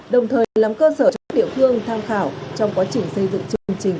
đồng thời làm cơ sở cho các địa phương tham khảo trong quá trình xây dựng chương trình